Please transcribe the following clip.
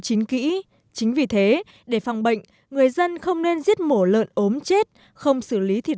chính kỹ chính vì thế để phòng bệnh người dân không nên giết mổ lợn ốm chết không xử lý thịt